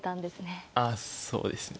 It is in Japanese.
あそうですね